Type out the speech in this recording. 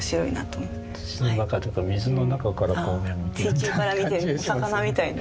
水中から見てるお魚みたいな。